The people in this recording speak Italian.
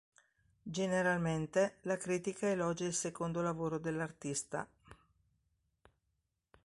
Generalmente, la critica elogia il secondo lavoro dell'artista.